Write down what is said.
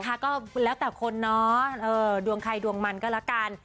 ก็แล้วแต่คนเนาะดวงใครดวงมันก็ละกัน